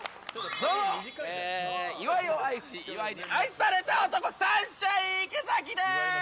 どうも、岩井を愛し岩井に愛された男サンシャイン池崎です！